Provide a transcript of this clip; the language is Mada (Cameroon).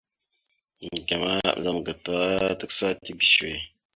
Neke ma ɓəzagaam gatala tʉkəsa tige səwe.